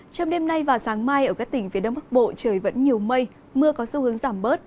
trong đêm nay và sáng mai ở các tỉnh phía đông bắc bộ trời vẫn nhiều mây mưa có xu hướng giảm bớt